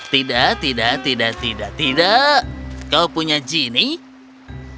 tidak tidak tidak tidak tidak kau punya genie